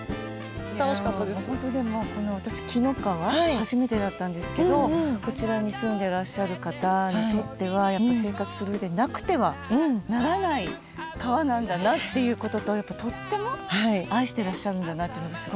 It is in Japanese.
初めてだったんですけどこちらに住んでいらっしゃる方にとっては生活する上でなくてはならない川なんだなっていうことととっても愛してらっしゃるんだなということがすごく。